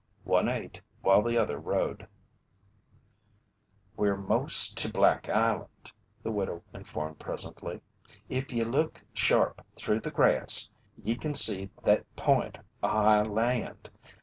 One ate while the other rowed. "We're most to Black Island," the widow informed presently. "If ye look sharp through the grass, ye can see thet point o' high land.